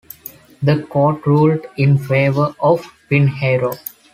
The court ruled in favor of Pinheiro.